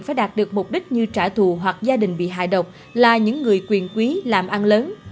phải đạt được mục đích như trả thù hoặc gia đình bị hại độc là những người quyền quý làm ăn lớn